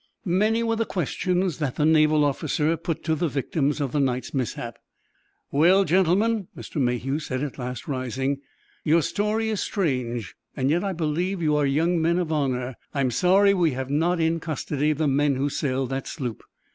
Many were the questions that the naval officer put to the victims of the night's mishap. "Well, gentlemen," Mr. Mayhew said at last, rising, "your story is strange. Yet, I believe you are young men of honor. I'm sorry we have not in custody the men who sailed that sloop."